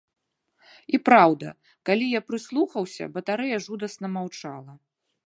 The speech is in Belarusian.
І праўда, калі я прыслухаўся, батарэя жудасна маўчала.